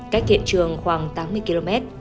cách hiện trường khoảng tám mươi km